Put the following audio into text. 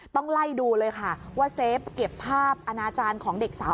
ต้องไล่ดูเลยค่ะว่าเซฟเก็บภาพอนาจารย์ของเด็กสาว